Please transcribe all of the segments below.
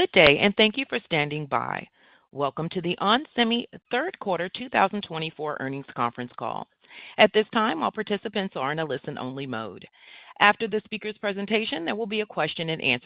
Good day, and thank you for standing by. Welcome to the onsemi third quarter 2024 earnings conference call. At this time, all participants are in a listen-only mode. After the speaker's presentation, there will be a Q&A.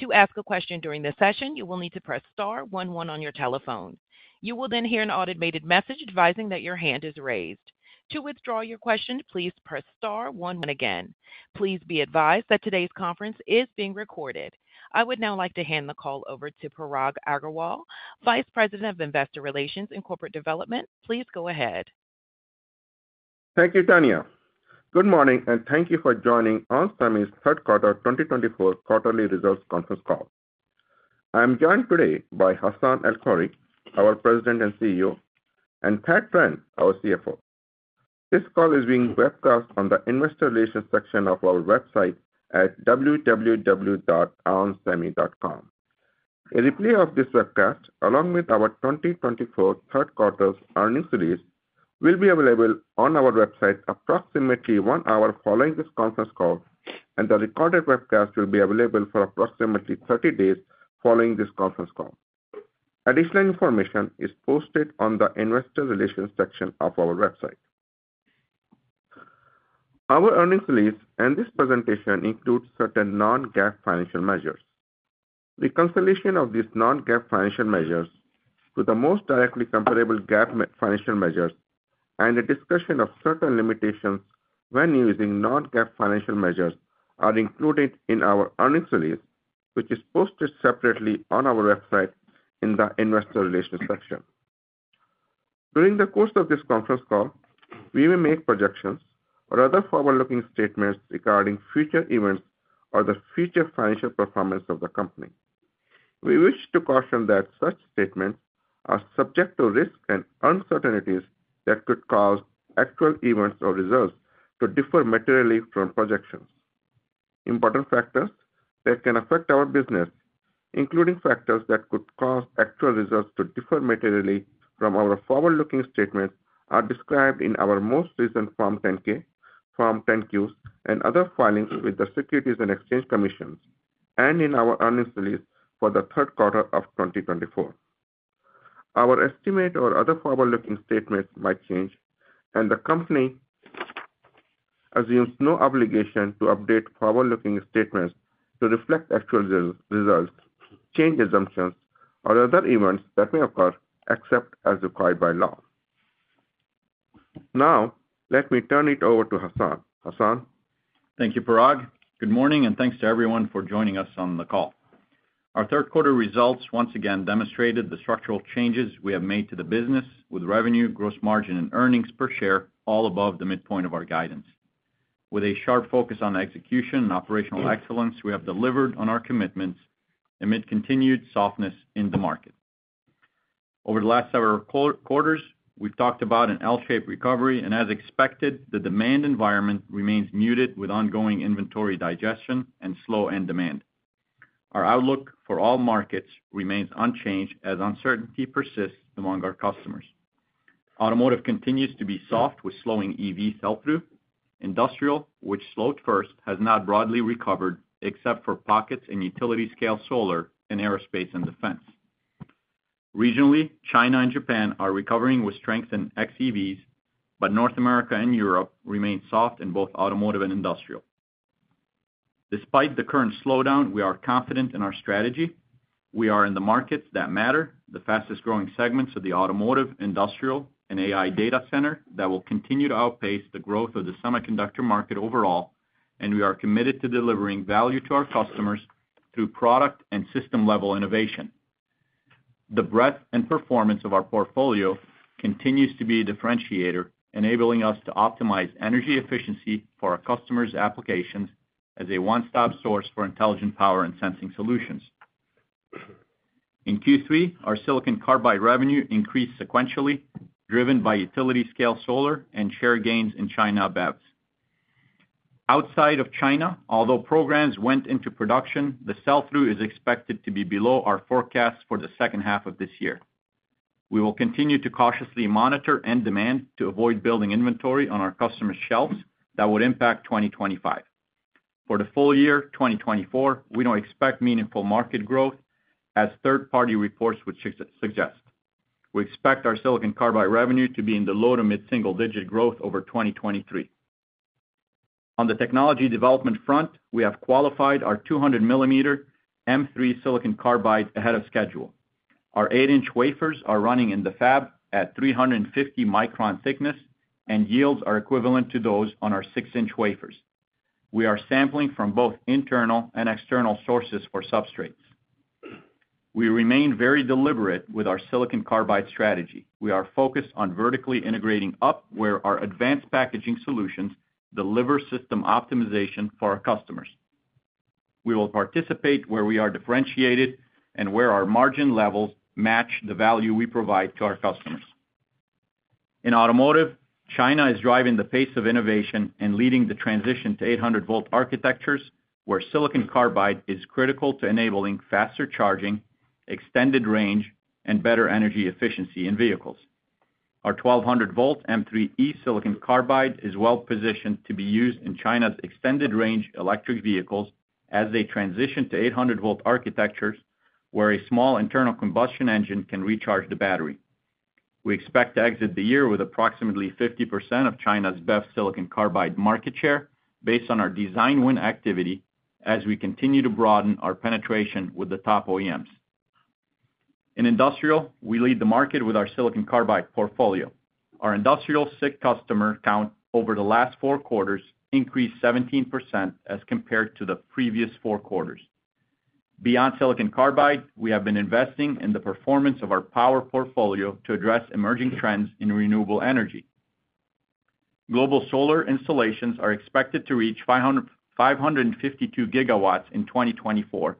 To ask a question during this session, you will need to press star one one on your telephone. You will then hear an automated message advising that your hand is raised. To withdraw your question, please press star one one again. Please be advised that today's conference is being recorded. I would now like to hand the call over to Parag Agarwal, Vice President of Investor Relations and Corporate Development. Please go ahead. Thank you, Tanya. Good morning, and thank you for joining onsemi's third quarter twenty twenty-four quarterly results conference call. I'm joined today by Hassane El-Khoury, our President and CEO, and Thad Trent, our CFO. This call is being webcast on the investor relations section of our website at www.onsemi.com. A replay of this webcast, along with our twenty twenty-four third quarter's earnings release, will be available on our website approximately one hour following this conference call, and the recorded webcast will be available for approximately thirty days following this conference call. Additional information is posted on the investor relations section of our website. Our earnings release and this presentation include certain non-GAAP financial measures. The consolidation of these non-GAAP financial measures to the most directly comparable GAAP financial measures, and a discussion of certain limitations when using non-GAAP financial measures, are included in our earnings release, which is posted separately on our website in the investor relations section. During the course of this conference call, we will make projections or other forward-looking statements regarding future events or the future financial performance of the company. We wish to caution that such statements are subject to risks and uncertainties that could cause actual events or results to differ materially from projections. Important factors that can affect our business, including factors that could cause actual results to differ materially from our forward-looking statements, are described in our most recent Form 10-K, Form 10-Qs, and other filings with the Securities and Exchange Commission, and in our earnings release for the third quarter of twenty twenty-four. Our estimate or other forward-looking statements might change, and the company assumes no obligation to update forward-looking statements to reflect actual results, change assumptions, or other events that may occur, except as required by law. Now, let me turn it over to Hassane. Hassane? Thank you, Parag. Good morning, and thanks to everyone for joining us on the call. Our third quarter results once again demonstrated the structural changes we have made to the business, with revenue, gross margin, and earnings per share all above the midpoint of our guidance. With a sharp focus on execution and operational excellence, we have delivered on our commitments amid continued softness in the market. Over the last several quarters, we've talked about an L-shaped recovery, and as expected, the demand environment remains muted, with ongoing inventory digestion and slow end demand. Our outlook for all markets remains unchanged as uncertainty persists among our customers. Automotive continues to be soft, with slowing EV sell-through. Industrial, which slowed first, has now broadly recovered, except for pockets in utility scale solar and aerospace and defense. Regionally, China and Japan are recovering with strength in xEVs, but North America and Europe remain soft in both automotive and industrial. Despite the current slowdown, we are confident in our strategy. We are in the markets that matter, the fastest-growing segments of the automotive, industrial, and AI data center that will continue to outpace the growth of the semiconductor market overall, and we are committed to delivering value to our customers through product and system-level innovation. The breadth and performance of our portfolio continues to be a differentiator, enabling us to optimize energy efficiency for our customers' applications as a one-stop source for intelligent power and sensing solutions. In Q3, our silicon carbide revenue increased sequentially, driven by utility scale solar and share gains in China BEVs. Outside of China, although programs went into production, the sell-through is expected to be below our forecast for the second half of this year. We will continue to cautiously monitor end demand to avoid building inventory on our customers' shelves that would impact 2025. For the full year 2024, we don't expect meaningful market growth, as third-party reports would suggest. We expect our silicon carbide revenue to be in the low- to mid-single-digit growth over 2023. On the technology development front, we have qualified our 200 millimeter M3 silicon carbide ahead of schedule. Our eight-inch wafers are running in the fab at 350-micron thickness, and yields are equivalent to those on our six-inch wafers. We are sampling from both internal and external sources for substrates. We remain very deliberate with our silicon carbide strategy. We are focused on vertically integrating up where our advanced packaging solutions deliver system optimization for our customers. We will participate where we are differentiated and where our margin levels match the value we provide to our customers. In automotive, China is driving the pace of innovation and leading the transition to 800-volt architectures, where silicon carbide is critical to enabling faster charging, extended range, and better energy efficiency in vehicles. Our 1,200-volt M3E silicon carbide is well positioned to be used in China's extended range electric vehicles as they transition to 800-volt architectures, where a small internal combustion engine can recharge the battery. We expect to exit the year with approximately 50% of China's BEV silicon carbide market share, based on our design win activity as we continue to broaden our penetration with the top OEMs. In industrial, we lead the market with our silicon carbide portfolio. Our industrial SiC customer count over the last four quarters increased 17% as compared to the previous four quarters. Beyond silicon carbide, we have been investing in the performance of our power portfolio to address emerging trends in renewable energy. Global solar installations are expected to reach 552 gigawatts in 2024,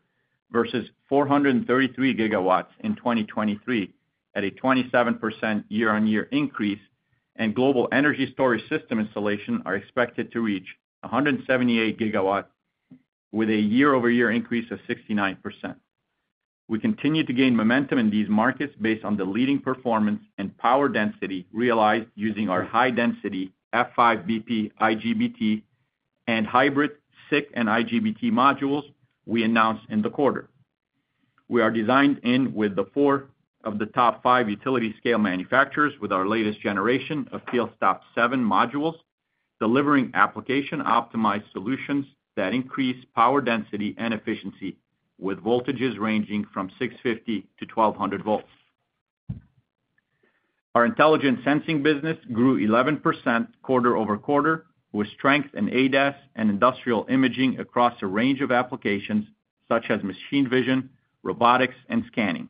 versus 433 gigawatts in 2023, at a 27% year-on-year increase, and global energy storage system installation are expected to reach 178 gigawatts, with a year-over-year increase of 69%. We continue to gain momentum in these markets based on the leading performance and power density realized using our high-density FS7 IGBT and hybrid SiC and IGBT modules we announced in the quarter. We are designed in with four of the top five utility scale manufacturers with our latest generation of Field Stop 7 modules, delivering application-optimized solutions that increase power, density, and efficiency, with voltages ranging from 650 to 1,200 volts. Our intelligent sensing business grew 11% quarter over quarter, with strength in ADAS and industrial imaging across a range of applications such as machine vision, robotics, and scanning.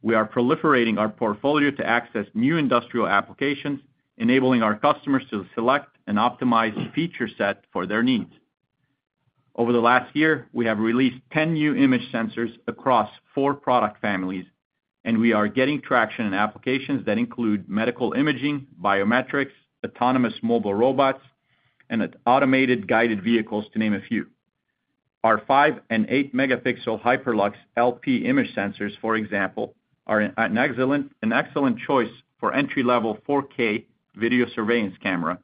We are proliferating our portfolio to access new industrial applications, enabling our customers to select an optimized feature set for their needs. Over the last year, we have released 10 new image sensors across four product families, and we are getting traction in applications that include medical imaging, biometrics, autonomous mobile robots, and automated guided vehicles, to name a few. Our five and eight megapixel Hyperlux LP image sensors, for example, are an excellent, an excellent choice for entry-level 4K video surveillance camera,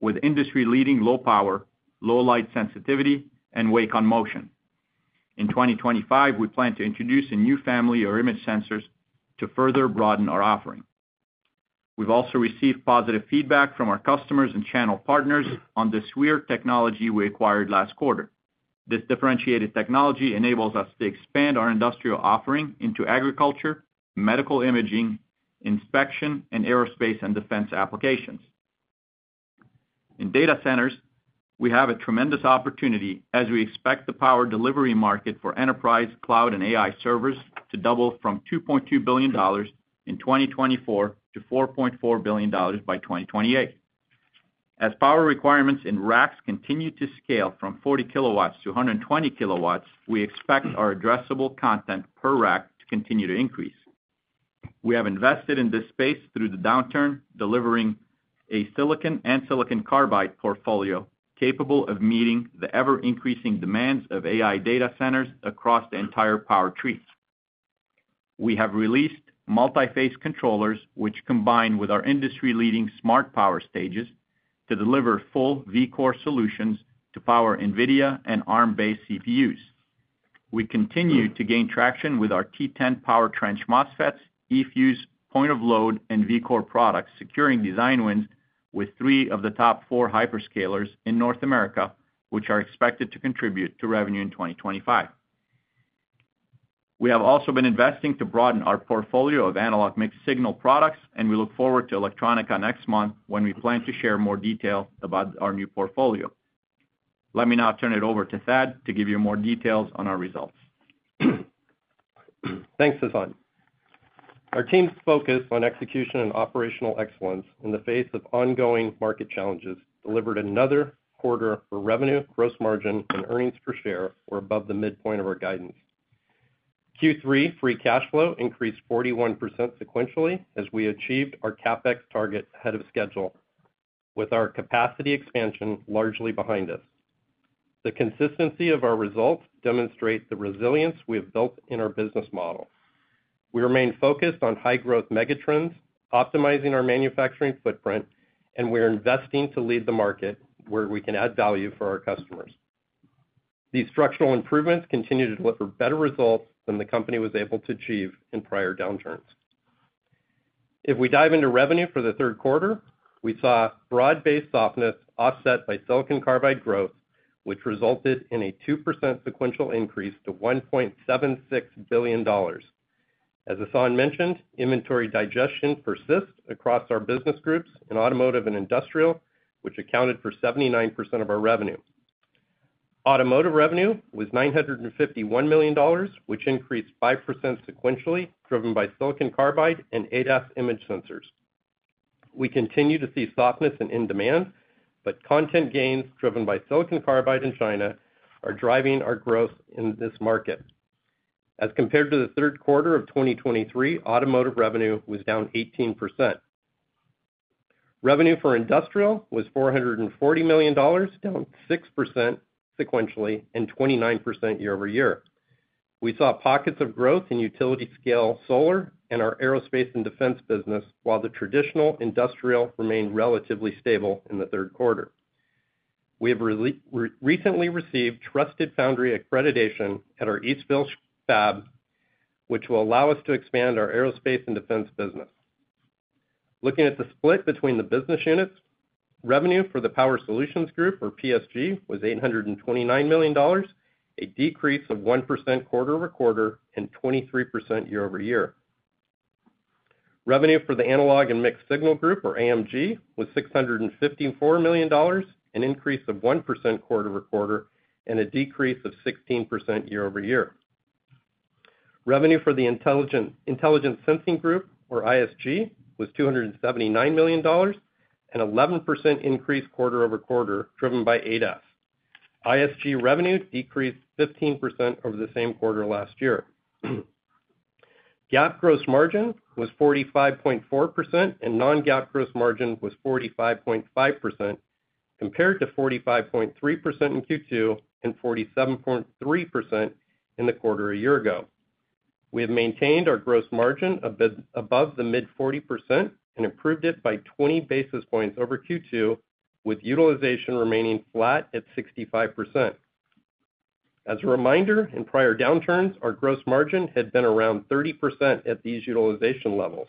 with industry-leading low power, low light sensitivity, and wake-on-motion. In 2025, we plan to introduce a new family of image sensors to further broaden our offering. We've also received positive feedback from our customers and channel partners on the SWIR technology we acquired last quarter. This differentiated technology enables us to expand our industrial offering into agriculture, medical imaging, inspection, and aerospace and defense applications. In data centers, we have a tremendous opportunity as we expect the power delivery market for enterprise, cloud, and AI servers to double from $2.2 billion in 2024 to $4.4 billion by 2028. As power requirements in racks continue to scale from 40 kilowatts to 120 kilowatts, we expect our addressable content per rack to continue to increase. We have invested in this space through the downturn, delivering a silicon and silicon carbide portfolio capable of meeting the ever-increasing demands of AI data centers across the entire power trees. We have released multi-phase controllers, which combine with our industry-leading smart power stages to deliver full vCore solutions to power NVIDIA and Arm-based CPUs. We continue to gain traction with our T10 PowerTrench MOSFETs, eFuse, point of load, and vCore products, securing design wins with three of the top four hyperscalers in North America, which are expected to contribute to revenue in 2025. We have also been investing to broaden our portfolio of analog mixed signal products, and we look forward to Electronica next month, when we plan to share more detail about our new portfolio. Let me now turn it over to Thad to give you more details on our results. Thanks, Hassane. Our team's focus on execution and operational excellence in the face of ongoing market challenges delivered another quarter where revenue, gross margin, and earnings per share were above the midpoint of our guidance. Q3 free cash flow increased 41% sequentially as we achieved our CapEx target ahead of schedule, with our capacity expansion largely behind us. The consistency of our results demonstrate the resilience we have built in our business model. We remain focused on high-growth megatrends, optimizing our manufacturing footprint, and we are investing to lead the market where we can add value for our customers. These structural improvements continue to deliver better results than the company was able to achieve in prior downturns. If we dive into revenue for the third quarter, we saw broad-based softness offset by silicon carbide growth, which resulted in a 2% sequential increase to $1.76 billion. As Hassanee mentioned, inventory digestion persists across our business groups in automotive and industrial, which accounted for 79% of our revenue. Automotive revenue was $951 million, which increased 5% sequentially, driven by silicon carbide and ADAS image sensors. We continue to see softness in demand, but content gains driven by silicon carbide in China are driving our growth in this market. As compared to the third quarter of 2023, automotive revenue was down 18%. Revenue for industrial was $440 million, down 6% sequentially and 29% year-over-year. We saw pockets of growth in utility-scale solar and our aerospace and defense business, while the traditional industrial remained relatively stable in the third quarter. We have recently received trusted foundry accreditation at our East Fishkill fab, which will allow us to expand our aerospace and defense business. Looking at the split between the business units, revenue for the Power Solutions Group, or PSG, was $829 million, a decrease of 1% quarter over quarter and 23% year-over-year. Revenue for the Analog and Mixed Signal Group, or AMG, was $654 million, an increase of 1% quarter over quarter, and a decrease of 16% year-over-year. Revenue for the Intelligent Sensing Group, or ISG, was $279 million, an 11% increase quarter over quarter, driven by ADAS. Sensing Group revenue decreased 15% over the same quarter last year. GAAP gross margin was 45.4%, and non-GAAP gross margin was 45.5%, compared to 45.3% in Q2 and 47.3% in the quarter a year ago. We have maintained our gross margin above the mid-40% and improved it by 20 basis points over Q2, with utilization remaining flat at 65%. As a reminder, in prior downturns, our gross margin had been around 30% at these utilization levels.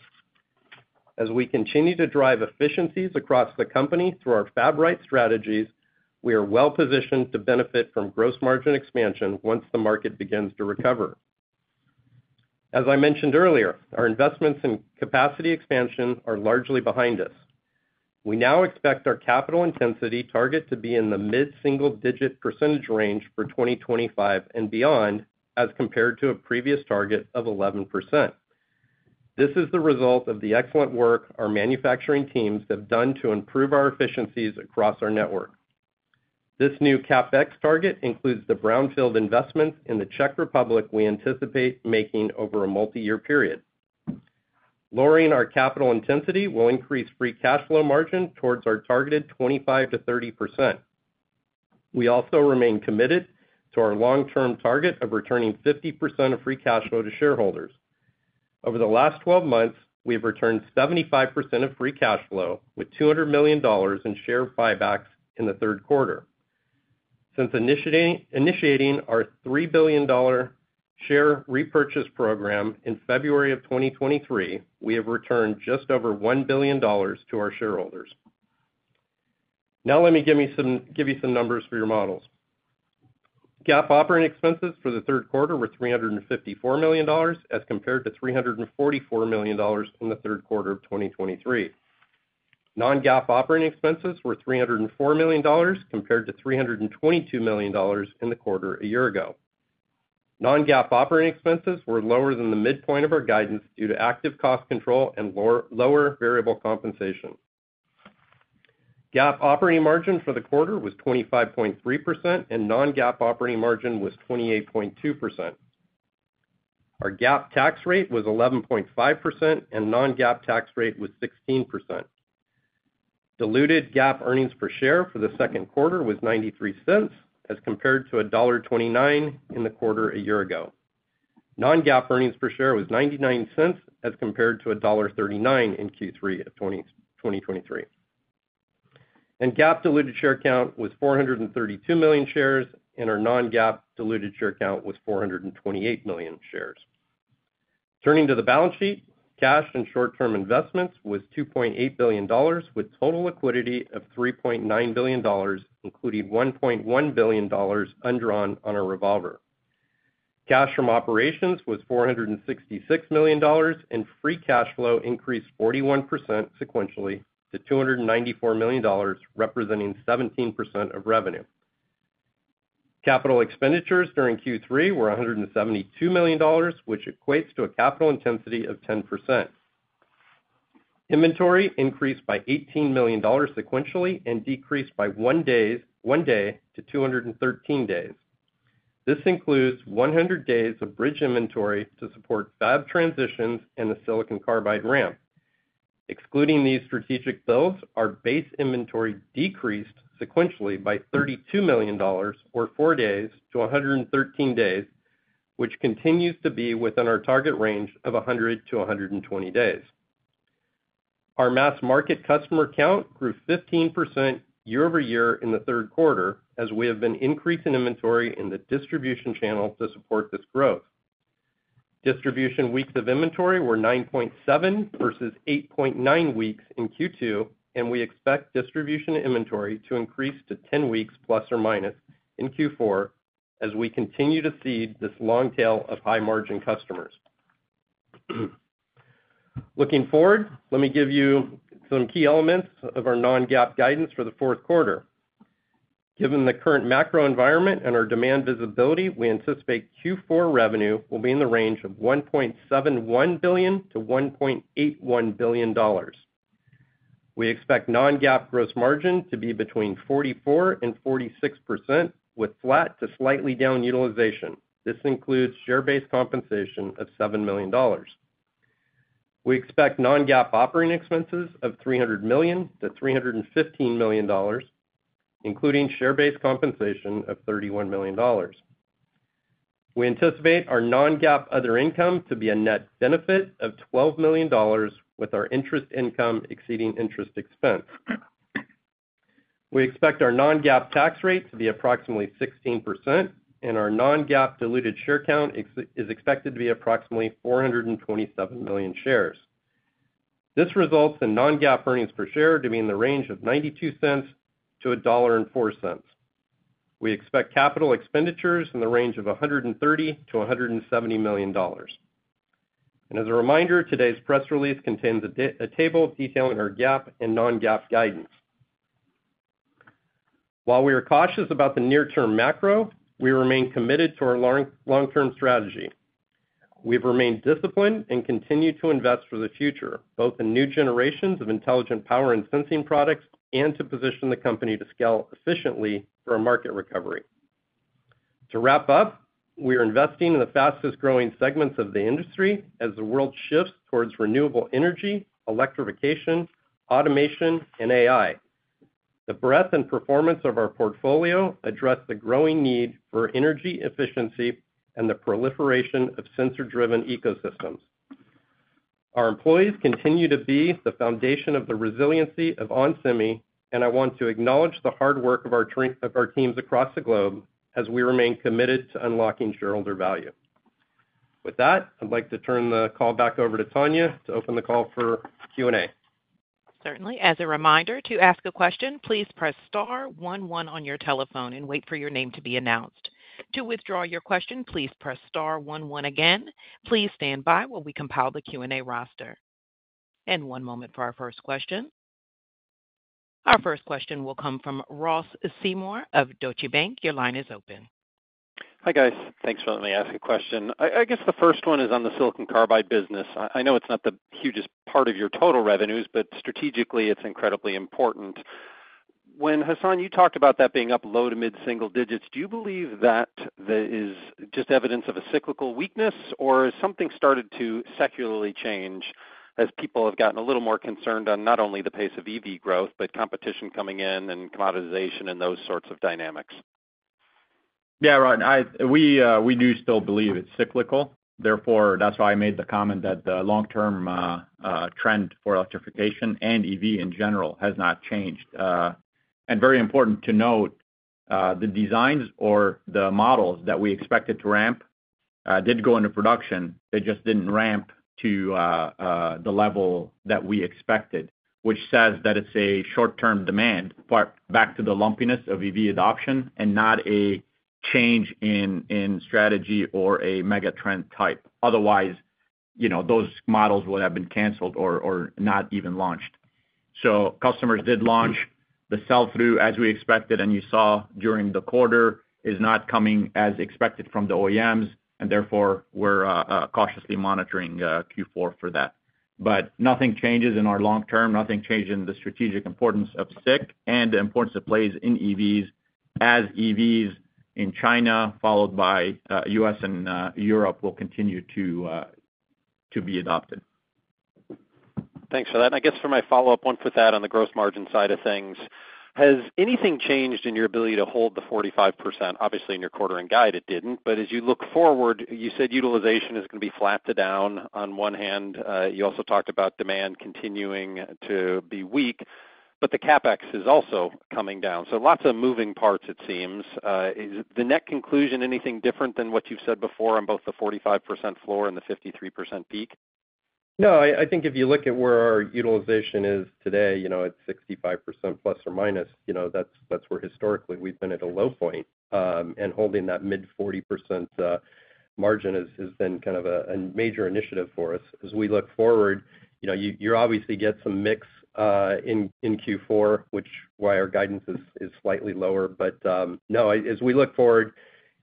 As we continue to drive efficiencies across the company through our Fab Right strategies, we are well positioned to benefit from gross margin expansion once the market begins to recover. As I mentioned earlier, our investments in capacity expansion are largely behind us. We now expect our capital intensity target to be in the mid-single-digit % range for 2025 and beyond, as compared to a previous target of 11%. This is the result of the excellent work our manufacturing teams have done to improve our efficiencies across our network. This new CapEx target includes the brownfield investments in the Czech Republic we anticipate making over a multiyear period. Lowering our capital intensity will increase free cash flow margin towards our targeted 25%-30%. We also remain committed to our long-term target of returning 50% of free cash flow to shareholders. Over the last twelve months, we have returned 75% of free cash flow, with $200 million in share buybacks in the third quarter. Since initiating our $3 billion share repurchase program in February 2023, we have returned just over $1 billion to our shareholders. Now let me give you some numbers for your models. GAAP operating expenses for the third quarter were $354 million, as compared to $344 million in the third quarter of 2023. Non-GAAP operating expenses were $304 million, compared to $322 million in the quarter a year ago. Non-GAAP operating expenses were lower than the midpoint of our guidance due to active cost control and lower variable compensation. GAAP operating margin for the quarter was 25.3%, and non-GAAP operating margin was 28.2%. Our GAAP tax rate was 11.5%, and non-GAAP tax rate was 16%. Diluted GAAP earnings per share for the second quarter was $0.93, as compared to $1.29 in the quarter a year ago. Non-GAAP earnings per share was $0.99, as compared to $1.39 in Q3 of 2023. GAAP diluted share count was 432 million shares, and our non-GAAP diluted share count was 428 million shares. Turning to the balance sheet, cash and short-term investments was $2.8 billion, with total liquidity of $3.9 billion, including $1.1 billion undrawn on our revolver. Cash from operations was $466 million, and free cash flow increased 41% sequentially to $294 million, representing 17% of revenue. Capital expenditures during Q3 were $172 million, which equates to a capital intensity of 10%. Inventory increased by $18 million sequentially and decreased by one day to 213 days. This includes 100 days of bridge inventory to support fab transitions and the silicon carbide ramp. Excluding these strategic builds, our base inventory decreased sequentially by $32 million, or 4 days, to 113 days, which continues to be within our target range of 100 to 120 days. Our mass market customer count grew 15% year-over-year in the third quarter, as we have been increasing inventory in the distribution channel to support this growth. Distribution weeks of inventory were 9.7 versus 8.9 weeks in Q2, and we expect distribution inventory to increase to 10 weeks, plus or minus, in Q4 as we continue to seed this long tail of high-margin customers. Looking forward, let me give you some key elements of our non-GAAP guidance for the fourth quarter. Given the current macro environment and our demand visibility, we anticipate Q4 revenue will be in the range of $1.71 billion-$1.81 billion. We expect non-GAAP gross margin to be between 44%-46%, with flat to slightly down utilization. This includes share-based compensation of $7 million. We expect non-GAAP operating expenses of $300 million-$315 million, including share-based compensation of $31 million. We anticipate our non-GAAP other income to be a net benefit of $12 million, with our interest income exceeding interest expense. We expect our non-GAAP tax rate to be approximately 16%, and our non-GAAP diluted share count is expected to be approximately 427 million shares. This results in non-GAAP earnings per share to be in the range of $0.92 to $1.04. We expect capital expenditures in the range of $130 million to $170 million. As a reminder, today's press release contains a table detailing our GAAP and non-GAAP guidance. While we are cautious about the near-term macro, we remain committed to our long-term strategy. We've remained disciplined and continue to invest for the future, both in new generations of intelligent power and sensing products, and to position the company to scale efficiently for a market recovery. To wrap up, we are investing in the fastest-growing segments of the industry as the world shifts towards renewable energy, electrification, automation, and AI. The breadth and performance of our portfolio address the growing need for energy efficiency and the proliferation of sensor-driven ecosystems. Our employees continue to be the foundation of the resiliency of onsemi, and I want to acknowledge the hard work of our teams across the globe, as we remain committed to unlocking shareholder value. With that, I'd like to turn the call back over to Tanya to open the call for Q&A. Certainly. As a reminder, to ask a question, please press star one one on your telephone and wait for your name to be announced. To withdraw your question, please press star one one again. Please stand by while we compile the Q&A roster and one moment for our first question. Our first question will come from Ross Seymour of Deutsche Bank. Your line is open. Hi, guys. Thanks for letting me ask a question. I guess the first one is on the silicon carbide business. I know it's not the hugest part of your total revenues, but strategically, it's incredibly important. When, Hassanee, you talked about that being up low to mid single digits, do you believe that that is just evidence of a cyclical weakness, or has something started to secularly change as people have gotten a little more concerned on not only the pace of EV growth, but competition coming in and commoditization and those sorts of dynamics? Yeah, Ross, we do still believe it's cyclical. Therefore, that's why I made the comment that the long-term trend for electrification and EV in general has not changed. And very important to note, the designs or the models that we expected to ramp did go into production. They just didn't ramp to the level that we expected, which says that it's a short-term demand, but back to the lumpiness of EV adoption, and not a change in strategy or a mega trend type. Otherwise, you know, those models would have been canceled or not even launched. So customers did launch. The sell-through, as we expected, and you saw during the quarter, is not coming as expected from the OEMs, and therefore, we're cautiously monitoring Q4 for that. But nothing changes in our long term, nothing changes in the strategic importance of SiC and the importance it plays in EVs, as EVs in China, followed by U.S. and Europe, will continue to be adopted. Thanks for that. I guess for my follow-up, want to put that on the gross margin side of things. Has anything changed in your ability to hold the 45%? Obviously, in your quarter and guide, it didn't, but as you look forward, you said utilization is gonna be flat to down on one hand, you also talked about demand continuing to be weak, but the CapEx is also coming down, so lots of moving parts it seems. Is the net conclusion anything different than what you've said before on both the 45% floor and the 53% peak? No, I think if you look at where our utilization is today, you know, it's 65% plus or minus. You know, that's where historically we've been at a low point, and holding that mid-40% margin has been kind of a major initiative for us. As we look forward, you know, you obviously get some mix in Q4, which is why our guidance is slightly lower. But, no, as we look forward,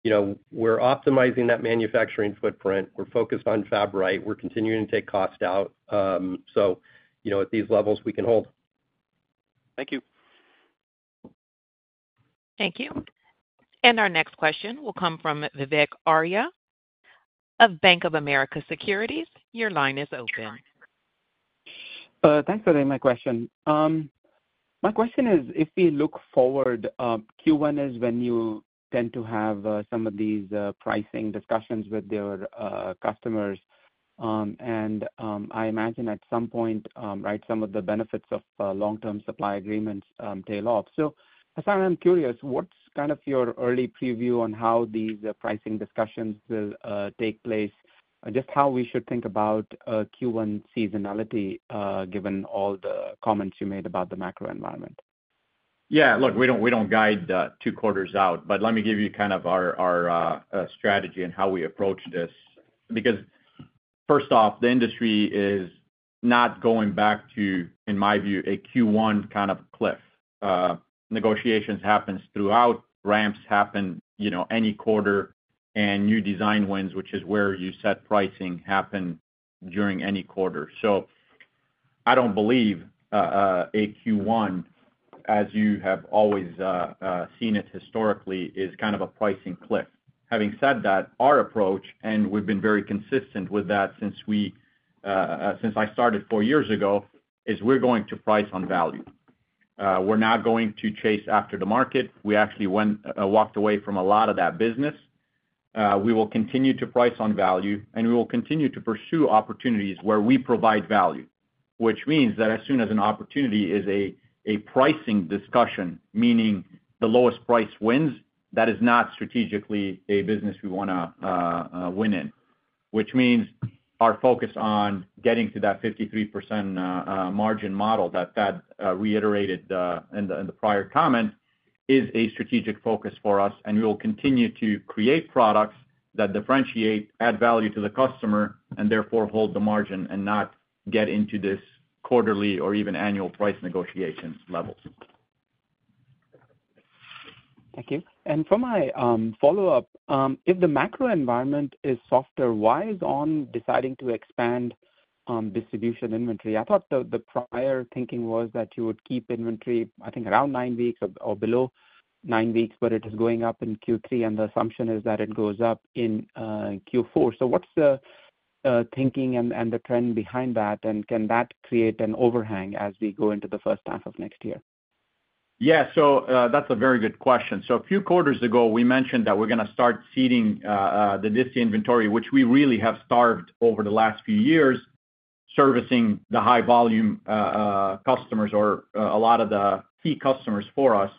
you know, we're optimizing that manufacturing footprint. We're focused on Fab Right. We're continuing to take cost out. So, you know, at these levels, we can hold. Thank you. Thank you. And our next question will come from Vivek Arya of Bank of America Securities. Your line is open. Thanks for taking my question. My question is, if we look forward, Q1 is when you tend to have some of these pricing discussions with your customers, and I imagine at some point, right, some of the benefits of long-term supply agreements tail off. So Hassane, I'm curious, what's kind of your early preview on how these pricing discussions will take place? Just how we should think about Q1 seasonality given all the comments you made about the macro environment. Yeah, look, we don't, we don't guide two quarters out, but let me give you kind of our, our strategy and how we approach this. Because first off, the industry is not going back to, in my view, a Q1 kind of cliff. Negotiations happens throughout, ramps happen, you know, any quarter, and new design wins, which is where you set pricing, happen during any quarter. So I don't believe a Q1, as you have always seen it historically, is kind of a pricing cliff. Having said that, our approach, and we've been very consistent with that since I started four years ago, is we're going to price on value. We're not going to chase after the market. We actually went, walked away from a lot of that business. We will continue to price on value, and we will continue to pursue opportunities where we provide value, which means that as soon as an opportunity is a pricing discussion, meaning the lowest price wins, that is not strategically a business we wanna win in. Which means our focus on getting to that 53% margin model that, Thad, reiterated in the prior comment, is a strategic focus for us, and we will continue to create products that differentiate, add value to the customer, and therefore hold the margin and not get into this quarterly or even annual price negotiations levels. Thank you. And for my follow-up, if the macro environment is softer, why is ON deciding to expand distribution inventory? I thought the prior thinking was that you would keep inventory, I think, around nine weeks or below nine weeks, but it is going up in Q3, and the assumption is that it goes up in Q4. So what's the thinking and the trend behind that, and can that create an overhang as we go into the first half of next year? Yeah, so, that's a very good question. So a few quarters ago, we mentioned that we're gonna start seeding, the disty inventory, which we really have starved over the last few years, servicing the high volume, customers or, a lot of the key customers for us.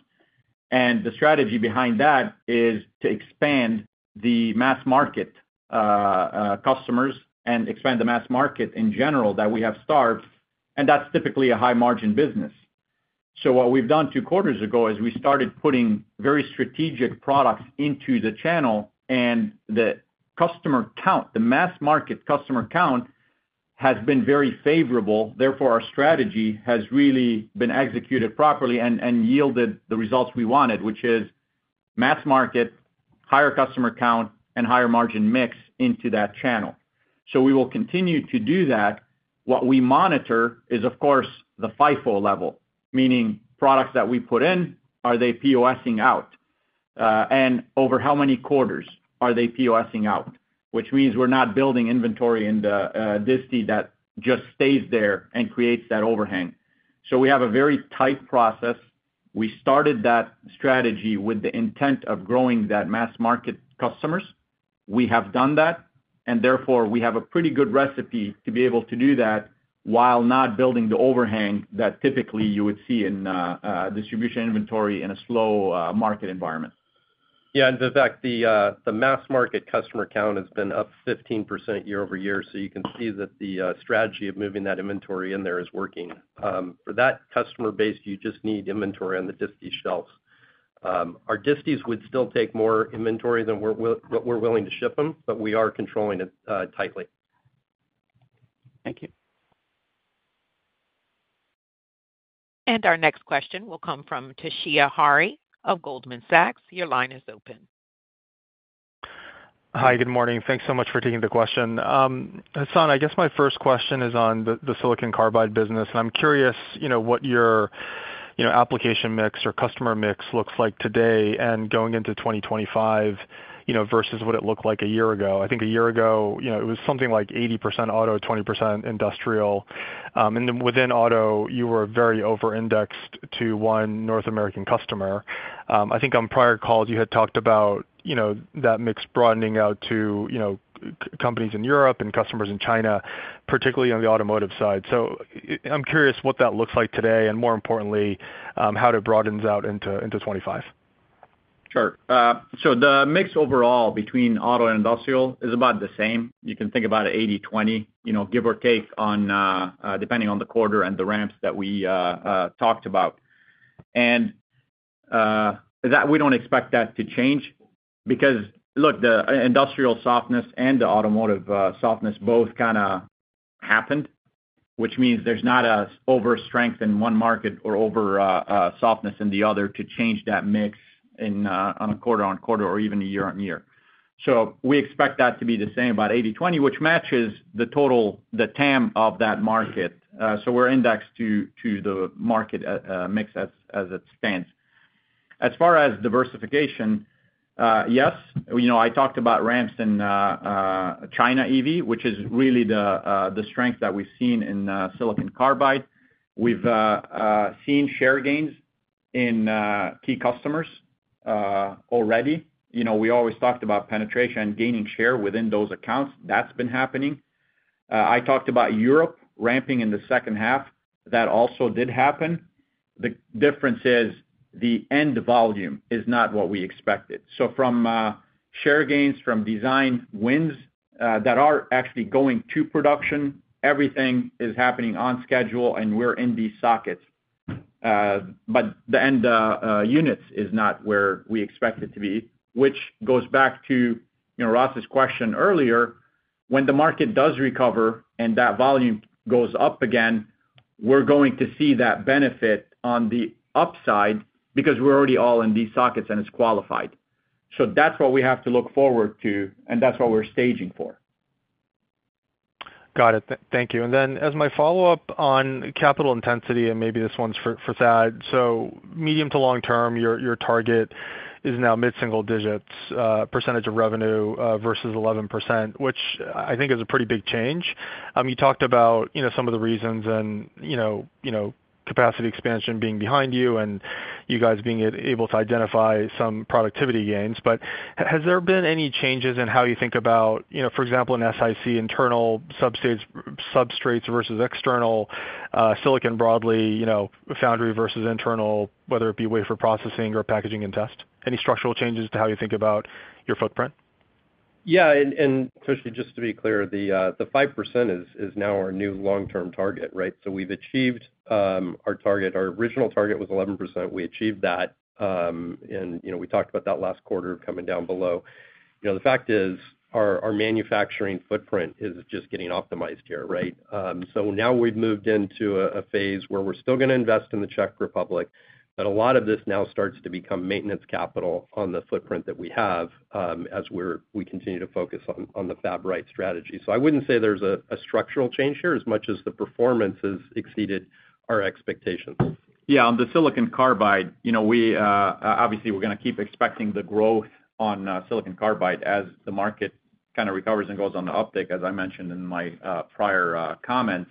And the strategy behind that is to expand the mass market, customers and expand the mass market in general that we have starved, and that's typically a high-margin business. So what we've done two quarters ago is we started putting very strategic products into the channel, and the customer count, the mass market customer count, has been very favorable. Therefore, our strategy has really been executed properly and yielded the results we wanted, which is mass market, higher customer count, and higher margin mix into that channel. So we will continue to do that. What we monitor is, of course, the FIFO level, meaning products that we put in, are they POS-ing out? And over how many quarters are they POS-ing out? Which means we're not building inventory in the disty that just stays there and creates that overhang. So we have a very tight process. We started that strategy with the intent of growing that mass market customers. We have done that, and therefore, we have a pretty good recipe to be able to do that while not building the overhang that typically you would see in distribution inventory in a slow market environment. Yeah, and in fact, the mass market customer count has been up 15% year-over-year, so you can see that the strategy of moving that inventory in there is working. For that customer base, you just need inventory on the disty shelves. Our disties would still take more inventory than what we're willing to ship them, but we are controlling it tightly. Thank you. Our next question will come from Toshiya Hari of Goldman Sachs. Your line is open. Hi, good morning. Thanks so much for taking the question. Hassane, I guess my first question is on the silicon carbide business, and I'm curious, you know, what your, you know, application mix or customer mix looks like today and going into 2025, you know, versus what it looked like a year ago. I think a year ago, you know, it was something like 80% auto, 20% industrial. And then within auto, you were very over-indexed to one North American customer. I think on prior calls, you had talked about, you know, that mix broadening out to, you know, key companies in Europe and customers in China, particularly on the automotive side. So I'm curious what that looks like today, and more importantly, how it broadens out into 2025. Sure. So the mix overall between auto and industrial is about the same. You can think about it 80/20, you know, give or take on, depending on the quarter and the ramps that we talked about. And that—we don't expect that to change because, look, the industrial softness and the automotive softness both kinda happened, which means there's not a overstrength in one market or over softness in the other to change that mix on a quarter-on-quarter or even year-on-year. So we expect that to be the same, about 80/20, which matches the total, the TAM of that market. So we're indexed to the market mix as it stands. As far as diversification, yes, you know, I talked about ramps in China EV, which is really the strength that we've seen in silicon carbide. We've seen share gains in key customers already. You know, we always talked about penetration and gaining share within those accounts. That's been happening. I talked about Europe ramping in the second half. That also did happen. The difference is the end volume is not what we expected. So from share gains, from design wins that are actually going to production, everything is happening on schedule, and we're in these sockets. But the end units is not where we expect it to be, which goes back to, you know, Ross's question earlier. When the market does recover and that volume goes up again, we're going to see that benefit on the upside because we're already all in these sockets, and it's qualified. So that's what we have to look forward to, and that's what we're staging for. Got it. Thank you. And then as my follow-up on capital intensity, and maybe this one's for Thad. So medium to long term, your target is now mid-single digits percentage of revenue versus 11%, which I think is a pretty big change. You talked about, you know, some of the reasons and, you know, capacity expansion being behind you, and you guys being able to identify some productivity gains. But has there been any changes in how you think about, you know, for example, in SiC, internal substrates versus external, silicon broadly, you know, foundry versus internal, whether it be wafer processing or packaging and test? Any structural changes to how you think about your footprint? Yeah, and especially just to be clear, the 5% is now our new long-term target, right? So we've achieved our target. Our original target was 11%. We achieved that, and you know, we talked about that last quarter coming down below. You know, the fact is, our manufacturing footprint is just getting optimized here, right? So now we've moved into a phase where we're still gonna invest in the Czech Republic, but a lot of this now starts to become maintenance capital on the footprint that we have, as we continue to focus on the Fab Right strategy. So I wouldn't say there's a structural change here as much as the performance has exceeded our expectations. Yeah, on the silicon carbide, you know, we obviously, we're gonna keep expecting the growth on silicon carbide as the market kind of recovers and goes on the uptick, as I mentioned in my prior comments.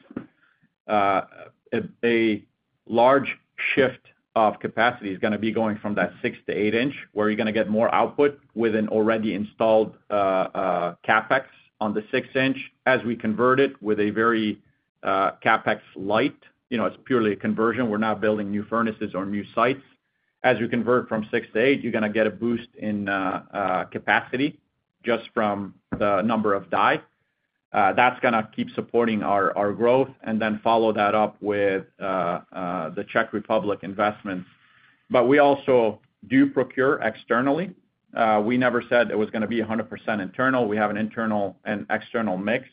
A large shift of capacity is gonna be going from that six to eight inch, where you're gonna get more output with an already installed CapEx on the six inch, as we convert it with a very CapEx light. You know, it's purely a conversion. We're not building new furnaces or new sites. As you convert from six to eight, you're gonna get a boost in capacity just from the number of die. That's gonna keep supporting our growth, and then follow that up with the Czech Republic investments. But we also do procure externally. We never said it was gonna be 100% internal. We have an internal and external mix.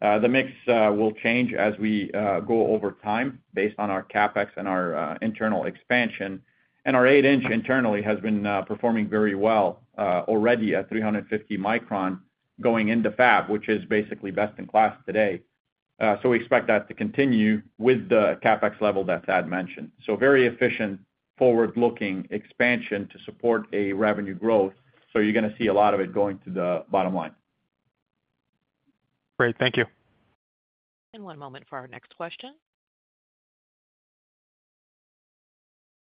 The mix will change as we go over time based on our CapEx and our internal expansion. Our eight inch internally has been performing very well already at 350 micron going into fab, which is basically best in class today. So we expect that to continue with the CapEx level that Thad mentioned. Very efficient, forward-looking expansion to support revenue growth. You're gonna see a lot of it going to the bottom line. Great. Thank you. One moment for our next question.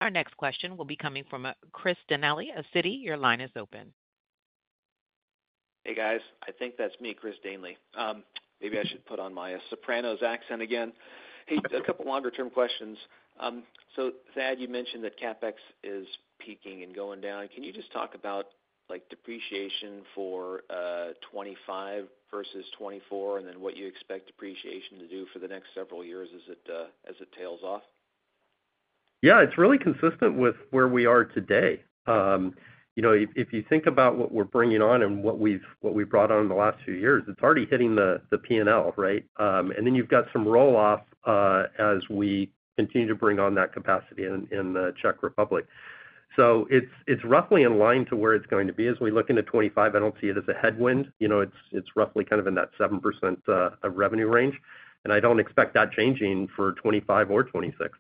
Our next question will be coming from Chris Danely of Citi. Your line is open. Hey, guys. I think that's me, Chris Danely. Maybe I should put on my Sopranos accent again. Hey, a couple longer-term questions. So Thad, you mentioned that CapEx is peaking and going down. Can you just talk about, like, depreciation for 2025 versus 2024, and then what you expect depreciation to do for the next several years as it tails off? Yeah, it's really consistent with where we are today. You know, if you think about what we're bringing on and what we brought on in the last few years, it's already hitting the P&L, right? And then you've got some roll-off, as we continue to bring on that capacity in the Czech Republic. So it's roughly in line to where it's going to be. As we look into 2025, I don't see it as a headwind. You know, it's roughly kind of in that 7% of revenue range, and I don't expect that changing for 2025 or 2026.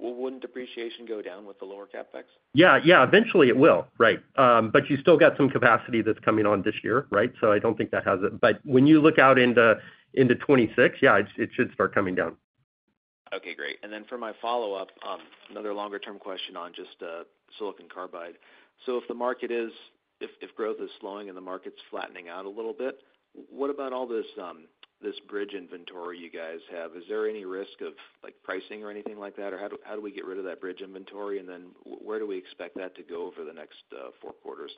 Wouldn't depreciation go down with the lower CapEx? Yeah, yeah. Eventually, it will. Right. But you still got some capacity that's coming on this year, right? So I don't think that has. But when you look out into 2026, yeah, it should start coming down. Okay, great. And then for my follow-up, another longer-term question on just silicon carbide. So if growth is slowing and the market's flattening out a little bit, what about all this bridge inventory you guys have? Is there any risk of, like, pricing or anything like that, or how do we get rid of that bridge inventory, and then where do we expect that to go over the next four quarters?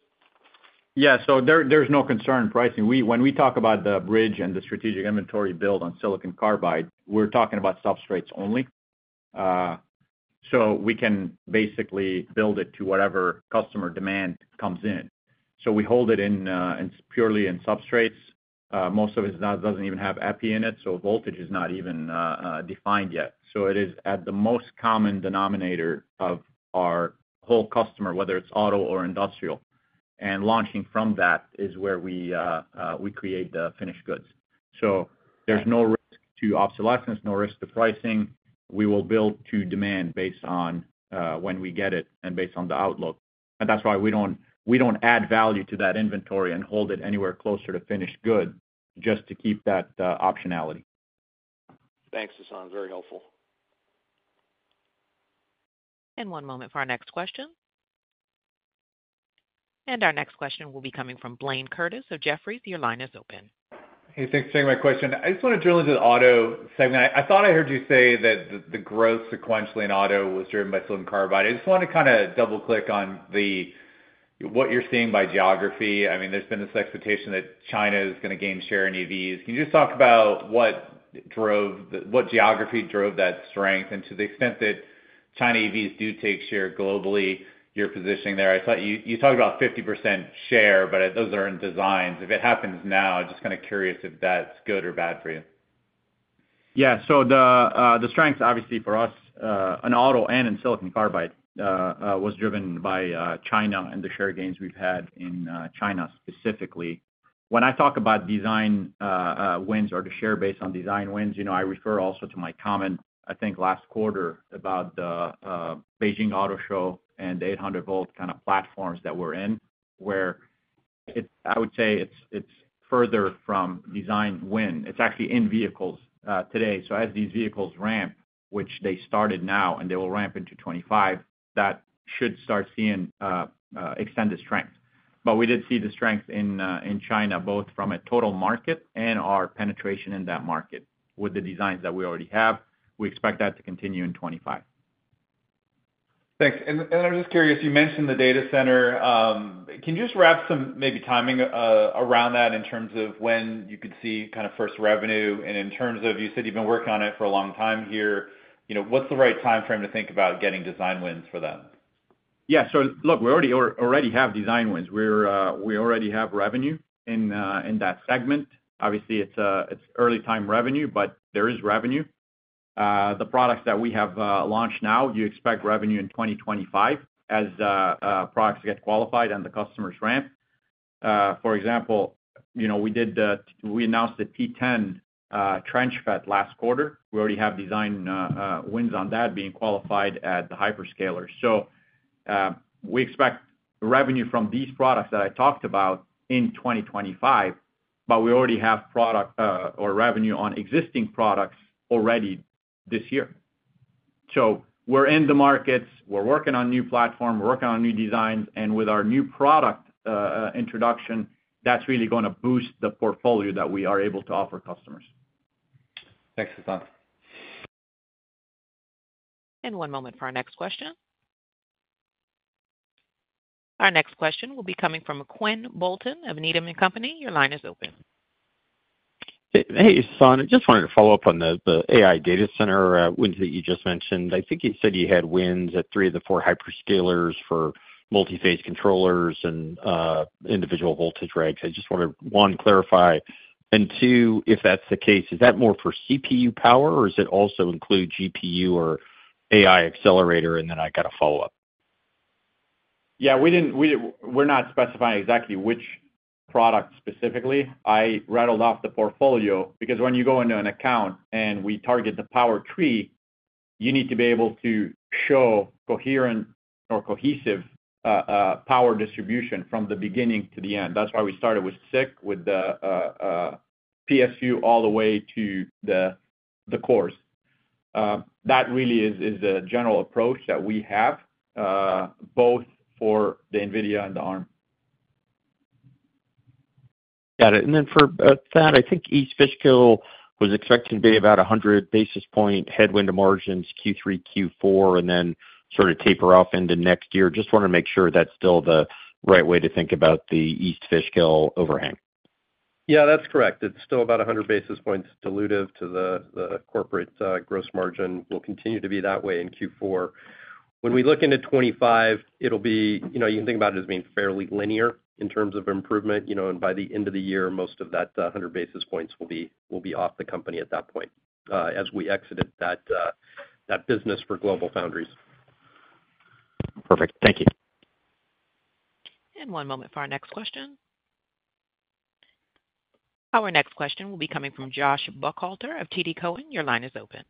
Yeah. So there, there's no concern in pricing. When we talk about the bridge and the strategic inventory build on silicon carbide, we're talking about substrates only. So we can basically build it to whatever customer demand comes in. So we hold it in purely in substrates. Most of it doesn't even have epi in it, so voltage is not even defined yet. So it is at the most common denominator of our whole customer, whether it's auto or industrial. And launching from that is where we create the finished goods. So there's no risk to obsolescence, no risk to pricing. We will build to demand based on when we get it and based on the outlook. That's why we don't add value to that inventory and hold it anywhere closer to finished good, just to keep that optionality. Thanks, Hassanee. Very helpful. One moment for our next question. Our next question will be coming from Blayne Curtis of Jefferies. Your line is open. Hey, thanks for taking my question. I just want to drill into the auto segment. I thought I heard you say that the growth sequentially in auto was driven by silicon carbide. I just want to kind of double-click on what you're seeing by geography. I mean, there's been this expectation that China is gonna gain share in EVs. Can you just talk about what geography drove that strength? And to the extent that China EVs do take share globally, your positioning there. I thought you talked about 50% share, but those are in designs. If it happens now, I'm just kind of curious if that's good or bad for you. Yeah, so the strength obviously for us in auto and in silicon carbide was driven by China and the share gains we've had in China specifically. When I talk about design wins or the share base on design wins, you know, I refer also to my comment, I think last quarter about the Beijing Auto Show and 800-volt kind of platforms that we're in, where it- I would say it's further from design win. It's actually in vehicles today. So as these vehicles ramp, which they started now, and they will ramp into 2025, that should start seeing extended strength. But we did see the strength in China, both from a total market and our penetration in that market with the designs that we already have we expect that to continue in 2025. Thanks. And I'm just curious, you mentioned the data center. Can you just wrap some maybe timing around that in terms of when you could see kind of first revenue? And in terms of, you said you've been working on it for a long time here, you know, what's the right timeframe to think about getting design wins for them? Yeah. So look, we already have design wins. We're, we already have revenue in, in that segment. Obviously, it's, it's early time revenue, but there is revenue. The products that we have, launched now, you expect revenue in 2025 as products get qualified and the customers ramp. For example, you know, we did the-- we announced the T10 Trench FET last quarter. We already have design wins on that being qualified at the hyperscaler. So, we expect revenue from these products that I talked about in 2025, but we already have product or revenue on existing products already this year. So we're in the markets, we're working on new platform, we're working on new designs, and with our new product introduction, that's really gonna boost the portfolio that we are able to offer customers. Thanks, Shasan. One moment for our next question. Our next question will be coming from Quinn Bolton of Needham & Company. Your line is open. Hey, Hassane, I just wanted to follow up on the AI data center wins that you just mentioned. I think you said you had wins at three of the four hyperscalers for multi-phase controllers and individual voltage regs. I just wanted, one, clarify, and two, if that's the case, is that more for CPU power, or does it also include GPU or AI accelerator? And then I got a follow-up. Yeah, we're not specifying exactly which product specifically. I rattled off the portfolio, because when you go into an account and we target the power tree, you need to be able to show coherent or cohesive power distribution from the beginning to the end. That's why we started with SiC, with the PSU, all the way to the core. That really is a general approach that we have both for the NVIDIA and the Arm. Got it. And then for Thad, I think East Fishkill was expected to be about a hundred basis point headwind to margins Q3, Q4, and then sort of taper off into next year. Just wanna make sure that's still the right way to think about the East Fishkill overhang. Yeah, that's correct. It's still about 100 basis points dilutive to the corporate gross margin, will continue to be that way in Q4. When we look into 2025, it'll be, you know, you can think about it as being fairly linear in terms of improvement, you know, and by the end of the year, most of that 100 basis points will be off the company at that point, as we exited that business for GlobalFoundries. Perfect. Thank you. One moment for our next question. Our next question will be coming from Joshua Buchalter of TD Cowen. Your line is open.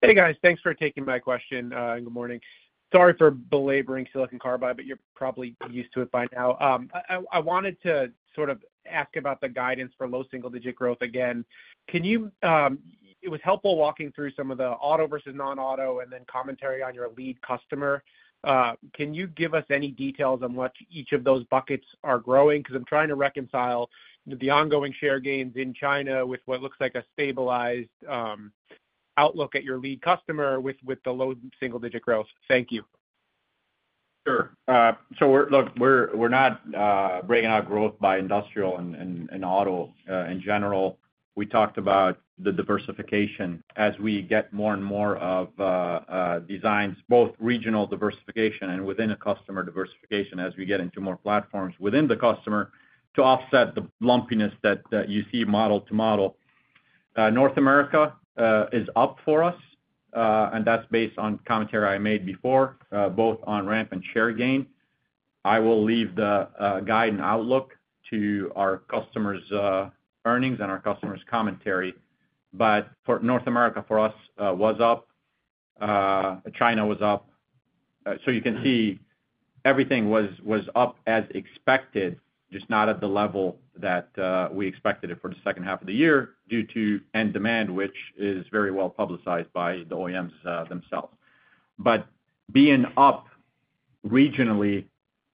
Hey, guys. Thanks for taking my question. Good morning. Sorry for belaboring silicon carbide, but you're probably used to it by now. I wanted to sort of ask about the guidance for low single digit growth again. Can you... It was helpful walking through some of the auto versus non-auto and then commentary on your lead customer. Can you give us any details on what each of those buckets are growing? Because I'm trying to reconcile the ongoing share gains in China with what looks like a stabilized outlook at your lead customer with the low single digit growth. Thank you. Sure. So look, we're not breaking out growth by industrial and auto in general. We talked about the diversification as we get more and more of designs, both regional diversification and within a customer diversification, as we get into more platforms within the customer to offset the lumpiness that you see model to model. North America is up for us, and that's based on commentary I made before, both on ramp and share gain. I will leave the guide and outlook to our customers' earnings and our customers' commentary. But for North America, for us, was up, China was up. So you can see everything was up as expected, just not at the level that we expected it for the second half of the year, due to end demand, which is very well-publicized by the OEMs, themselves. But being up regionally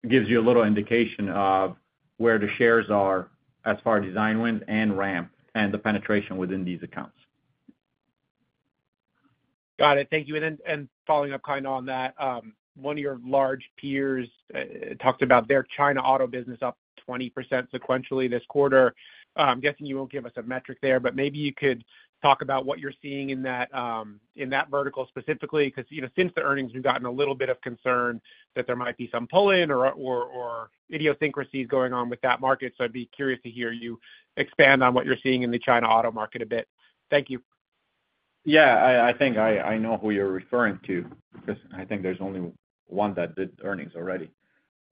gives you a little indication of where the shares are as far as design wins and ramp, and the penetration within these accounts. Got it. Thank you. And then, and following up kind of on that, one of your large peers talked about their China auto business up 20% sequentially this quarter. I'm guessing you won't give us a metric there, but maybe you could talk about what you're seeing in that vertical specifically, because, you know, since the earnings, we've gotten a little bit of concern that there might be some pull-in or idiosyncrasies going on with that market. So I'd be curious to hear you expand on what you're seeing in the China auto market a bit. Thank you. Yeah, I think I know who you're referring to, because I think there's only one that did earnings already.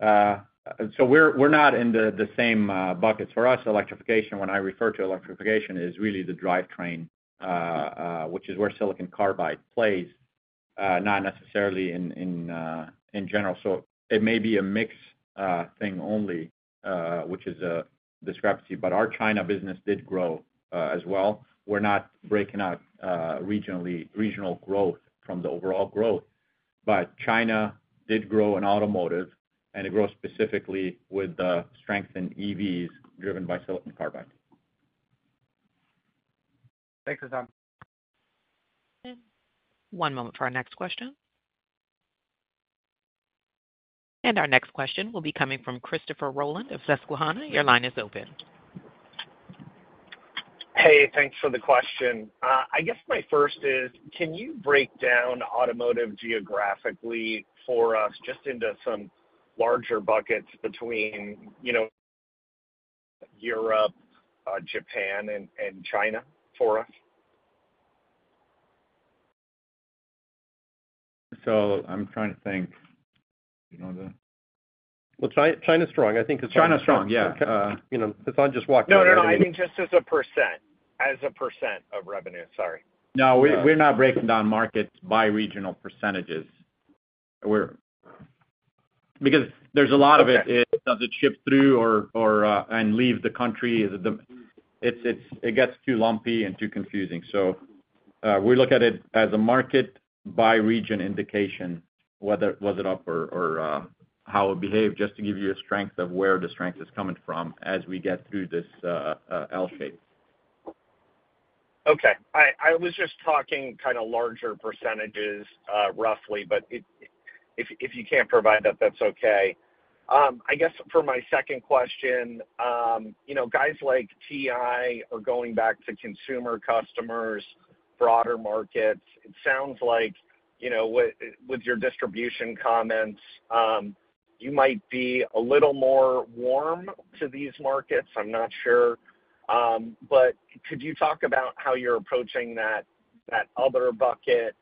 So we're not in the same buckets. For us, electrification, when I refer to electrification, is really the drivetrain, which is where silicon carbide plays, not necessarily in general. So it may be a mix thing only, which is a discrepancy, but our China business did grow as well. We're not breaking out regional growth from the overall growth. But China did grow in automotive, and it grew specifically with the strength in EVs, driven by silicon carbide. Thanks, Hassane. One moment for our next question, and our next question will be coming from Christopher Rolland of Susquehanna. Your line is open. Hey, thanks for the question. I guess my first is, can you break down automotive geographically for us, just into some larger buckets between, you know, Europe, Japan, and China for us? I'm trying to think, you know, the- China's strong. I think it's- China's strong, yeah. You know, Hassanee just walked through- No, no, no, I mean, just as a %, as a % of revenue. Sorry. No, we're not breaking down markets by regional percentages. We're because there's a lot of it does it ship through or and leave the country? The, it's, it gets too lumpy and too confusing. So, we look at it as a market by region indication, whether was it up or how it behaved, just to give you a strength of where the strength is coming from as we get through this L shape. Okay. I was just talking kind of larger percentages, roughly, but if you can't provide that, that's okay. I guess for my second question, you know, guys like TI are going back to consumer customers, broader markets. It sounds like, you know, with your distribution comments, you might be a little more warm to these markets. I'm not sure. But could you talk about how you're approaching that other bucket?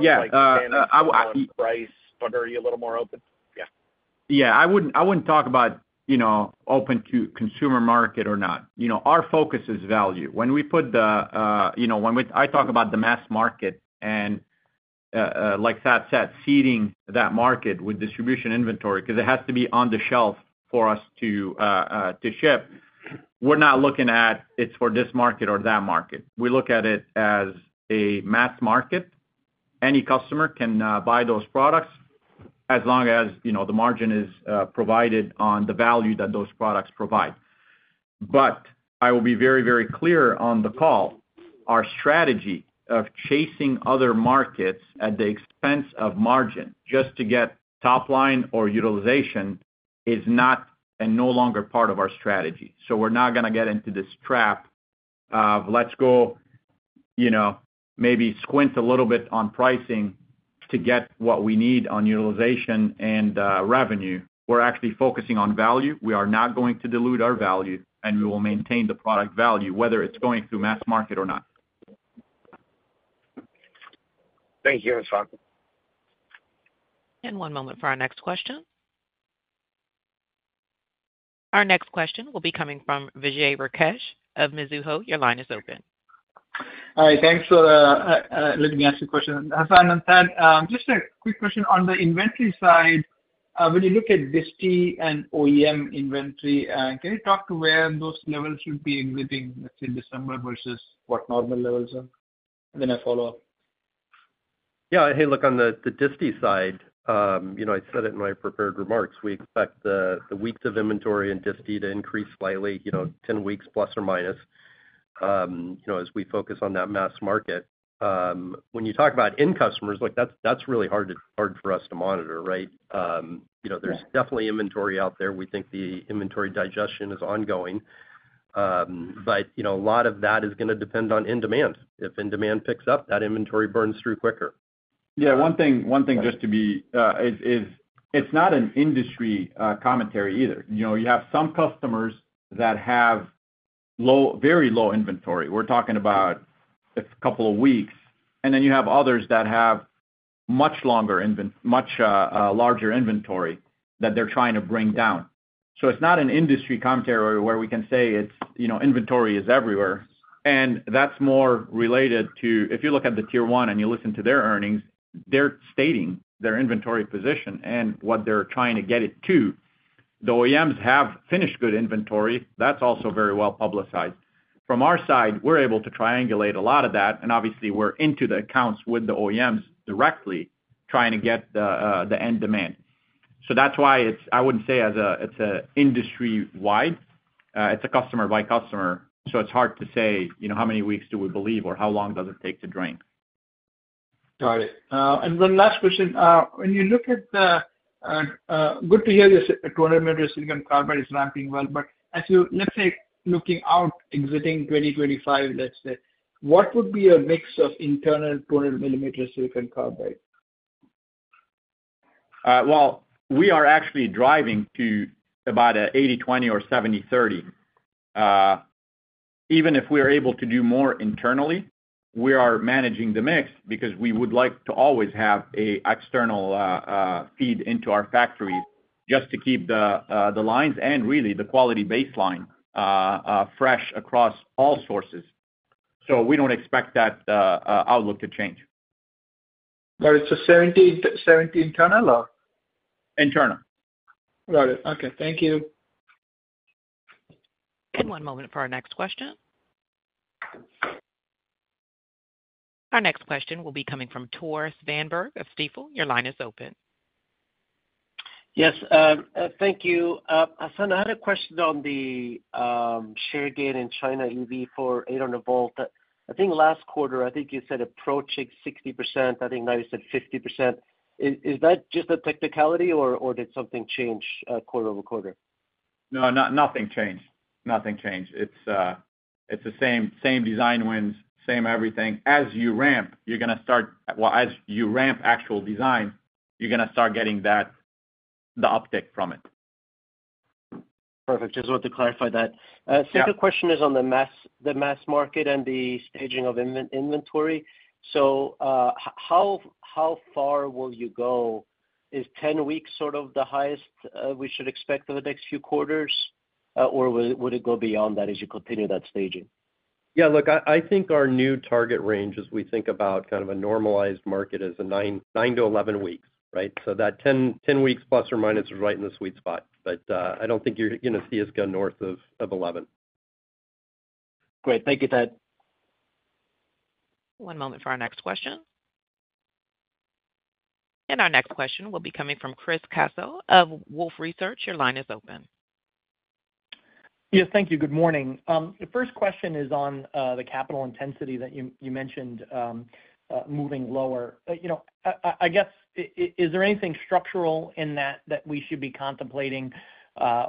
Yeah, I- price, but are you a little more open? Yeah. Yeah, I wouldn't talk about, you know, open to consumer market or not. You know, our focus is value. When we put the, you know, when we—I talk about the mass market and, like Thad said, seeding that market with distribution inventory, 'cause it has to be on the shelf for us to ship. We're not looking at it's for this market or that market. We look at it as a mass market. Any customer can buy those products as long as, you know, the margin is provided on the value that those products provide. But I will be very, very clear on the call, our strategy of chasing other markets at the expense of margin, just to get top line or utilization, is not and no longer part of our strategy. So we're not gonna get into this trap of let's go, you know, maybe squint a little bit on pricing to get what we need on utilization and revenue. We're actually focusing on value. We are not going to dilute our value, and we will maintain the product value, whether it's going through mass market or not. Thank you, Hassanee. One moment for our next question. Our next question will be coming from Vijay Rakesh of Mizuho. Your line is open. Hi, thanks for letting me ask you a question. Hassane and Thad, just a quick question. On the inventory side, when you look at disti and OEM inventory, can you talk to where those levels should be ending, let's say, December versus what normal levels are? And then a follow-up. Yeah. Hey, look, on the disti side, you know, I said it in my prepared remarks, we expect the weeks of inventory in disti to increase slightly, you know, 10 weeks, plus or minus, you know, as we focus on that mass market. When you talk about end customers, look, that's really hard for us to monitor, right? You know- Yeah .there's definitely inventory out there. We think the inventory digestion is ongoing. But, you know, a lot of that is gonna depend on end demand. If end demand picks up, that inventory burns through quicker. Yeah, one thing, one thing just to be, it's not an industry commentary either. You know, you have some customers that have low, very low inventory. We're talking about a couple of weeks, and then you have others that have much larger inventory that they're trying to bring down. So it's not an industry commentary, where we can say it's, you know, inventory is everywhere. And that's more related to if you look at the Tier 1 and you listen to their earnings, they're stating their inventory position and what they're trying to get it to. The OEMs have finished good inventory. That's also very well publicized. From our side, we're able to triangulate a lot of that, and obviously we're into the accounts with the OEMs directly, trying to get the end demand. That's why it's. I wouldn't say it's an industry-wide. It's customer by customer, so it's hard to say, you know, how many weeks do we believe or how long does it take to drain? Got it. And one last question. Good to hear your 200 millimeter silicon carbide is ramping well, but as you, let's say, looking out exiting 2025, let's say, what would be a mix of internal 200 millimeter silicon carbide? Well, we are actually driving to about an 80/20 or 70/30. Even if we are able to do more internally, we are managing the mix because we would like to always have an external feed into our factories just to keep the lines and really the quality baseline fresh across all sources. So we don't expect that outlook to change. But it's a 70, 70 internal or? Internal. Got it. Okay. Thank you. One moment for our next question. Our next question will be coming from Tore Svanberg of Stifel. Your line is open. Yes, thank you. Hassane, I had a question on the share gain in China EV for 800-volt. I think last quarter, I think you said approaching 60%, I think now you said 50%. Is that just a technicality or did something change quarter over quarter? No, nothing changed. Nothing changed. It's, it's the same, same design wins, same everything. As you ramp, you're gonna start. Well, as you ramp actual design, you're gonna start getting that, the uptick from it. Perfect. Just want to clarify that. Yeah. Second question is on the mass market and the staging of inventory. So, how far will you go? Is 10 weeks sort of the highest we should expect over the next few quarters? Or would it go beyond that as you continue that staging? Yeah, look, I think our new target range as we think about kind of a normalized market is 9-11 weeks, right? So that 10 weeks, plus or minus, is right in the sweet spot. But I don't think you're gonna see us go north of 11. Great. Thank you, Thad. One moment for our next question. Our next question will be coming from Chris Caso of Wolfe Research. Your line is open. Yes, thank you. Good morning. The first question is on the capital intensity that you mentioned moving lower. You know, I guess is there anything structural in that that we should be contemplating,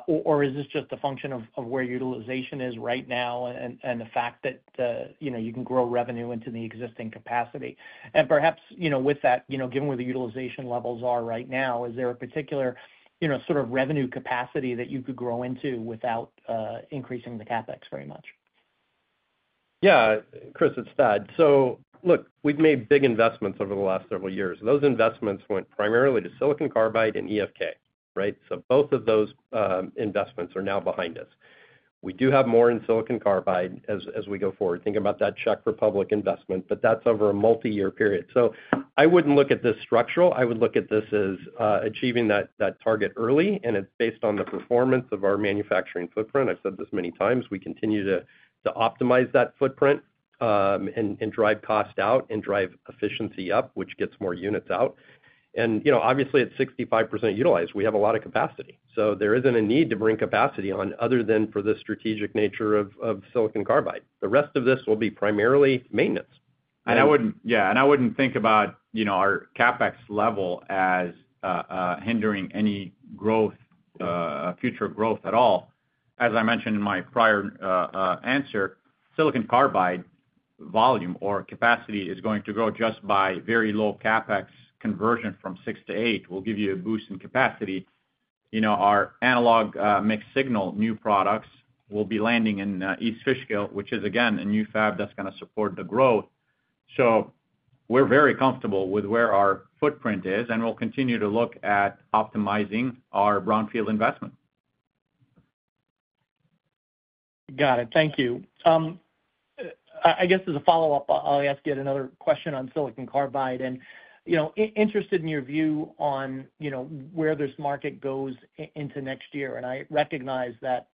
or is this just a function of where utilization is right now and the fact that you know you can grow revenue into the existing capacity? And perhaps, you know, given where the utilization levels are right now, is there a particular, you know, sort of revenue capacity that you could grow into without increasing the CapEx very much? Yeah, Chris, it's Thad. So look, we've made big investments over the last several years. Those investments went primarily to silicon carbide and East Fishkill, right? So both of those investments are now behind us. We do have more in silicon carbide as we go forward, thinking about that CHIPS for public investment, but that's over a multi-year period. So I wouldn't look at this structural, I would look at this as achieving that target early, and it's based on the performance of our manufacturing footprint. I've said this many times, we continue to optimize that footprint, and drive cost out and drive efficiency up, which gets more units out. And, you know, obviously, at 65% utilized, we have a lot of capacity. So there isn't a need to bring capacity on other than for the strategic nature of silicon carbide. The rest of this will be primarily maintenance. I wouldn't think about, you know, our CapEx level as hindering any future growth at all. As I mentioned in my prior answer, silicon carbide volume or capacity is going to grow just by very low CapEx conversion from six to eight, will give you a boost in capacity. You know, our analog mixed signal new products will be landing in East Fishkill, which is, again, a new fab that's gonna support the growth. So we're very comfortable with where our footprint is, and we'll continue to look at optimizing our brownfield investment. Got it. Thank you. I guess as a follow-up, I'll ask you another question on silicon carbide. And, you know, interested in your view on, you know, where this market goes into next year. And I recognize that,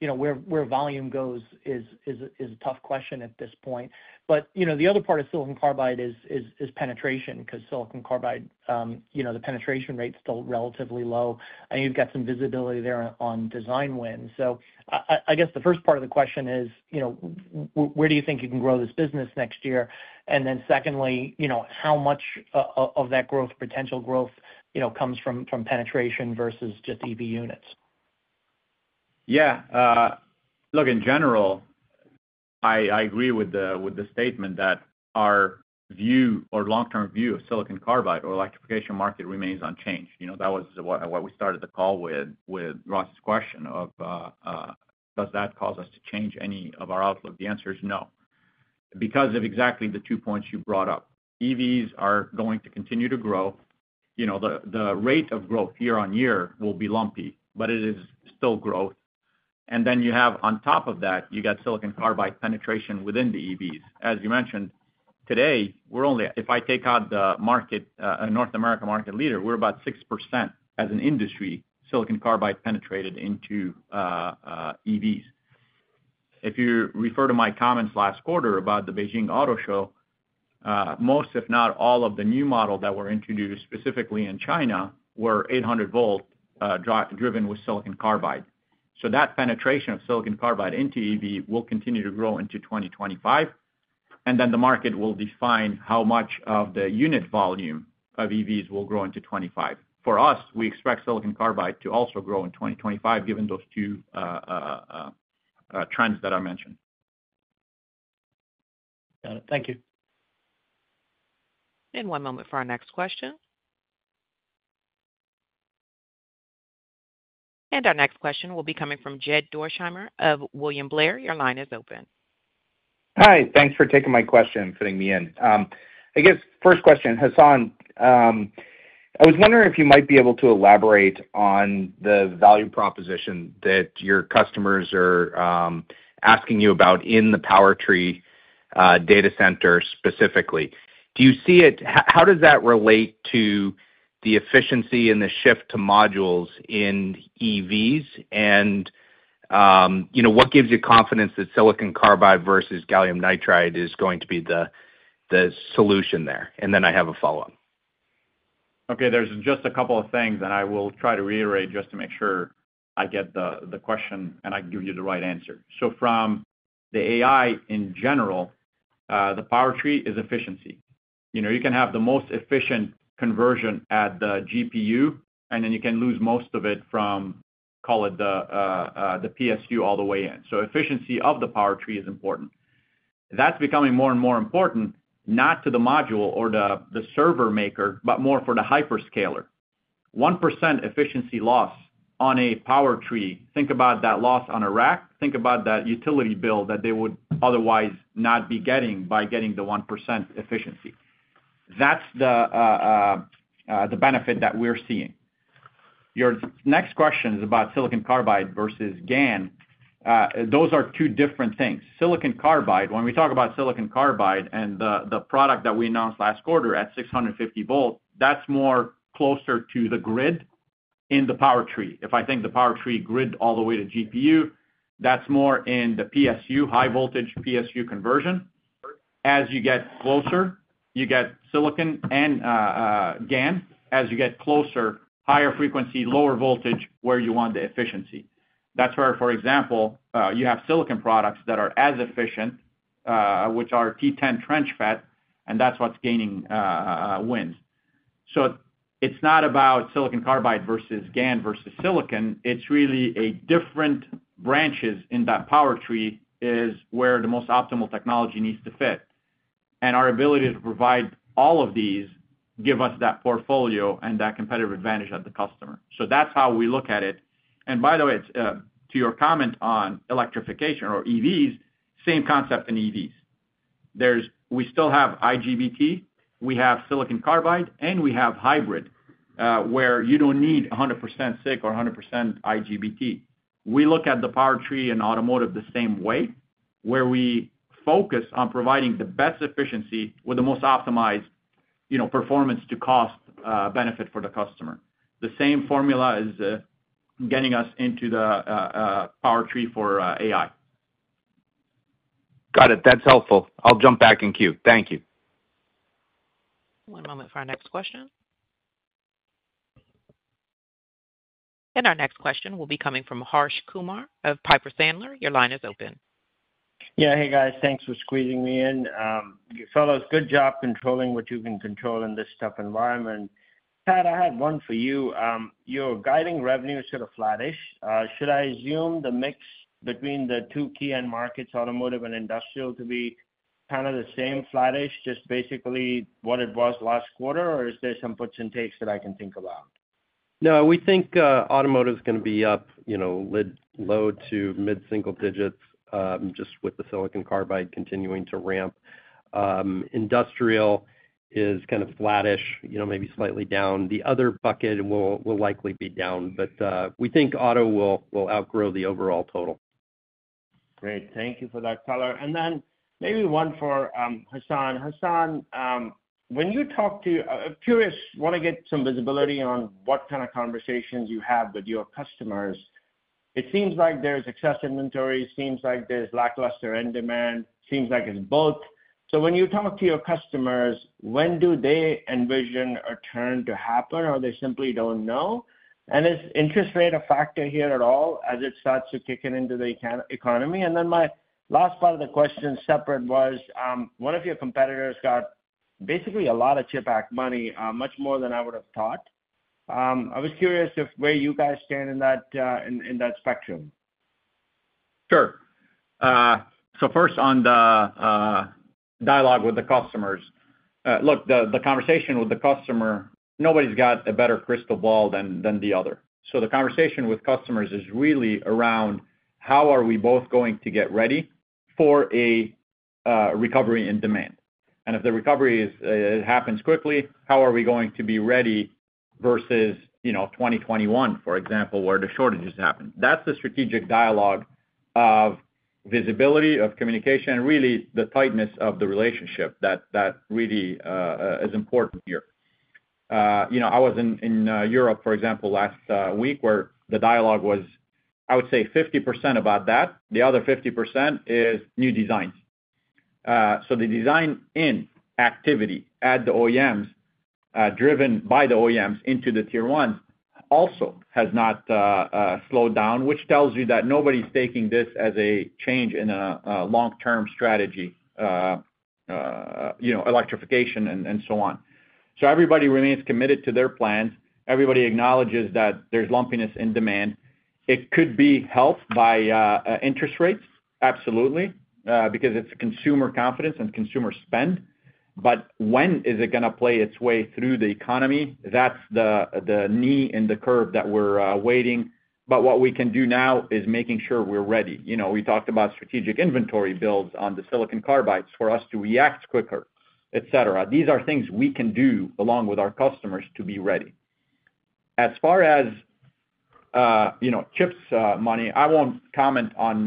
you know, where volume goes is a tough question at this point. But, you know, the other part of silicon carbide is penetration, because silicon carbide, you know, the penetration rate is still relatively low, and you've got some visibility there on design wins. So I guess the first part of the question is, you know, where do you think you can grow this business next year? And then secondly, you know, how much of that growth, potential growth, you know, comes from penetration versus just EV units? Yeah. Look, in general, I agree with the statement that our view or long-term view of silicon carbide or electrification market remains unchanged. You know, that was what we started the call with, with Ross's question of, does that cause us to change any of our outlook? The answer is no, because of exactly the two points you brought up. EVs are going to continue to grow. You know, the rate of growth year on year will be lumpy, but it is still growth. And then you have on top of that, you got silicon carbide penetration within the EVs. As you mentioned, today, we're only—if I take out the market, North America market leader, we're about 6% as an industry, silicon carbide penetrated into EVs. If you refer to my comments last quarter about the Beijing Auto Show, most, if not all, of the new model that were introduced specifically in China, were 800-volt driven with silicon carbide. So that penetration of silicon carbide into EV will continue to grow into 2025, and then the market will define how much of the unit volume of EVs will grow into 2025. For us, we expect silicon carbide to also grow in 2025, given those two trends that I mentioned. Got it. Thank you. One moment for our next question. Our next question will be coming from Jed Dorsheimer of William Blair. Your line is open. Hi, thanks for taking my question, fitting me in. I guess first question, Hassane, I was wondering if you might be able to elaborate on the value proposition that your customers are asking you about in the power tree, data center specifically. Do you see it? How does that relate to the efficiency and the shift to modules in EVs? And, you know, what gives you confidence that silicon carbide versus gallium nitride is going to be the solution there? And then I have a follow-up. Okay, there's just a couple of things, and I will try to reiterate just to make sure I get the question, and I can give you the right answer. So from the AI in general, the power tree is efficiency. You know, you can have the most efficient conversion at the GPU, and then you can lose most of it from, call it the PSU all the way in. So efficiency of the power tree is important. That's becoming more and more important, not to the module or the server maker, but more for the hyperscaler. 1% efficiency loss on a power tree, think about that loss on a rack, think about that utility bill that they would otherwise not be getting by getting the 1% efficiency. That's the benefit that we're seeing. Your next question is about Silicon Carbide versus GaN. Those are two different things. Silicon Carbide, when we talk about Silicon Carbide and the product that we announced last quarter at 650 volt, that's more closer to the grid in the power tree. If I think the power tree grid all the way to GPU, that's more in the PSU, high voltage PSU conversion. As you get closer, you get silicon and GaN. As you get closer, higher frequency, lower voltage, where you want the efficiency. That's where, for example, you have silicon products that are as efficient, which are T10 Trench FET, and that's what's gaining wins. So it's not about Silicon Carbide versus GaN versus silicon, it's really a different branches in that power tree is where the most optimal technology needs to fit. Our ability to provide all of these give us that portfolio and that competitive advantage of the customer. That's how we look at it. By the way, it's to your comment on electrification or EVs, same concept in EVs. We still have IGBT, we have silicon carbide, and we have hybrid where you don't need 100% SiC or 100% IGBT. We look at the powertrain in automotive the same way, where we focus on providing the best efficiency with the most optimized, you know, performance to cost benefit for the customer. The same formula is getting us into the powertrain for AI. Got it. That's helpful. I'll jump back in queue. Thank you. One moment for our next question. And our next question will be coming from Harsh Kumar of Piper Sandler. Your line is open. Yeah. Hey, guys, thanks for squeezing me in. You fellows, good job controlling what you can control in this tough environment. Thad, I had one for you. Your guidance revenue is sort of flattish. Should I assume the mix between the two key end markets, automotive and industrial, to be kind of the same, flattish, just basically what it was last quarter, or is there some puts and takes that I can think about? No, we think automotive is gonna be up, you know, low to mid-single digits, just with the silicon carbide continuing to ramp. Industrial is kind of flattish, you know, maybe slightly down. The other bucket will likely be down, but we think auto will outgrow the overall total. Great. Thank you for that color. And then maybe one for, Hassane. Hassane, when you talk to... I'm curious, want to get some visibility on what kind of conversations you have with your customers. It seems like there's excess inventory, seems like there's lackluster end demand, seems like it's both. So when you talk to your customers, when do they envision a turn to happen, or they simply don't know? And is interest rate a factor here at all as it starts to kick in into the economy? And then my last part of the question, separate, was, one of your competitors got basically a lot of CHIPS Act money, much more than I would have thought. I was curious if where you guys stand in that, in that spectrum. Sure. So first, on the dialogue with the customers. Look, the conversation with the customer, nobody's got a better crystal ball than the other. So the conversation with customers is really around: How are we both going to get ready for a recovery in demand? And if the recovery is it happens quickly, how are we going to be ready versus, you know, 2021, for example, where the shortages happened? That's the strategic dialogue of visibility, of communication, and really the tightness of the relationship that really is important here. You know, I was in Europe, for example, last week, where the dialogue was, I would say 50% about that. The other 50% is new designs. So the design in activity at the OEMs, driven by the OEMs into the tier ones, also has not slowed down, which tells you that nobody's taking this as a change in a long-term strategy, you know, electrification and so on. So everybody remains committed to their plans. Everybody acknowledges that there's lumpiness in demand. It could be helped by interest rates, absolutely, because it's consumer confidence and consumer spend. But when is it gonna play its way through the economy? That's the knee in the curve that we're waiting. But what we can do now is making sure we're ready. You know, we talked about strategic inventory builds on the silicon carbides for us to react quicker, et cetera. These are things we can do along with our customers to be ready. As far as, you know, CHIPS, money, I won't comment on,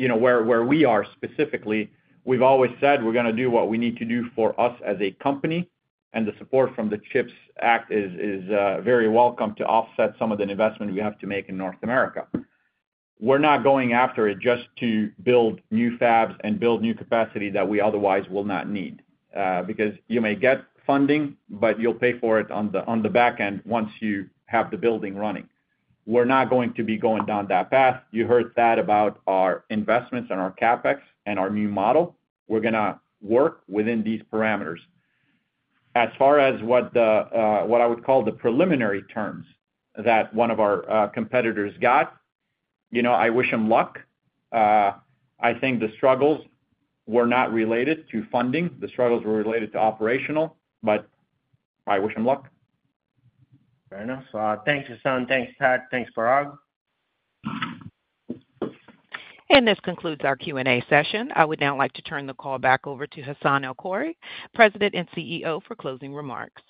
you know, where we are specifically. We've always said we're gonna do what we need to do for us as a company, and the support from the CHIPS Act is very welcome to offset some of the investment we have to make in North America. We're not going after it just to build new fabs and build new capacity that we otherwise will not need, because you may get funding, but you'll pay for it on the back end once you have the building running. We're not going to be going down that path. You heard that about our investments and our CapEx and our new model. We're gonna work within these parameters. As far as what I would call the preliminary terms that one of our competitors got, you know, I wish them luck. I think the struggles were not related to funding. The struggles were related to operational, but I wish them luck. Fair enough. Thanks, Hassane. Thanks, Thad. Thanks, Parag. This concludes our Q&A session. I would now like to turn the call back over to Hassane El-Khoury, President and CEO, for closing remarks.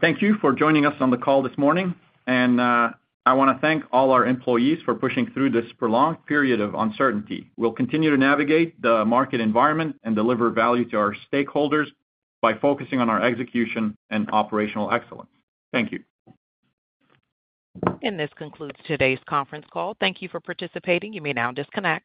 Thank you for joining us on the call this morning, and I wanna thank all our employees for pushing through this prolonged period of uncertainty. We'll continue to navigate the market environment and deliver value to our stakeholders by focusing on our execution and operational excellence. Thank you. This concludes today's conference call. Thank you for participating. You may now disconnect.